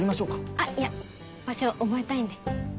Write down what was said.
あっいや場所覚えたいんで。